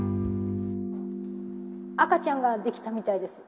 赤ちゃんが出来たみたいです。